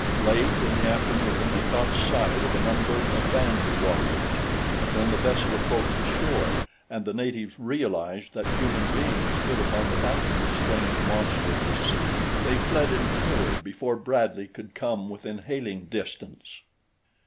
Late in the afternoon they caught sight of a number of Band lu warriors; but when the vessel approached the shore and the natives realized that human beings stood upon the back of the strange monster of the sea, they fled in terror before Bradley could come within hailing distance.